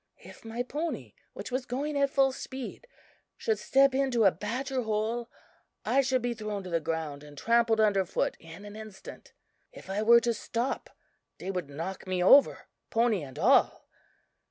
If my pony, which was going at full speed, should step into a badger hole, I should be thrown to the ground and trampled under foot in an instant. If I were to stop, they would knock me over, pony and all.